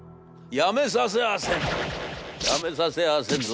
辞めさせはせんぞ。